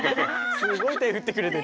すごい手振ってくれてる。